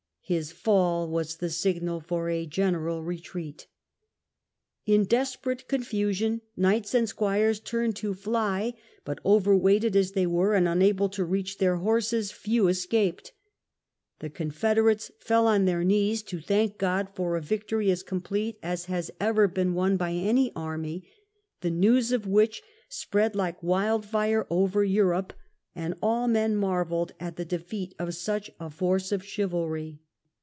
His fall was the signal for a general retreat. In desperate confusion knights and squires turned to fly, but overweighted as they were and unable to reach their horses, few escaped. The Con federates fell on their knees to thank God for a victory as complete as has ever been won by any army, the news of which spread like wild fire over Europe ; and all men marvelled at the defeat of such a force of chivalry.